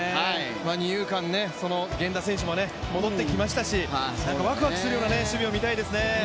二遊間、戻ってきましたしワクワクするような守備を見たいですね。